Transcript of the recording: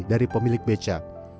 dari pemilik beca